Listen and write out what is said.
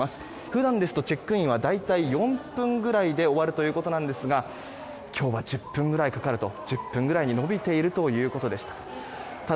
普段ですと、チェックインは大体４分ぐらいで終わるということですが今日は１０分ぐらいに延びているということでした。